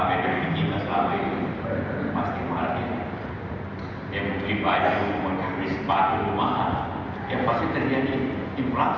kita tidak terakhir melaksanakan janjinya